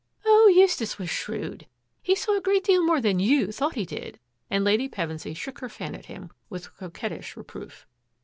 " Oh, Eustace was shrewd. He saw a good deal more than you thought he did," and Lady Pevensy shook her fan at him with coquettish reproof.